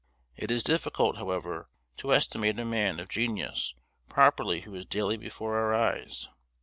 It is difficult, however, to estimate a man of genius properly who is daily before our eyes.